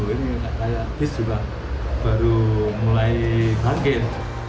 ini kayak bis juga baru mulai bangkit